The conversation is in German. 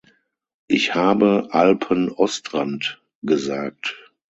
Ich habe 'Alpenostrand' gesagt.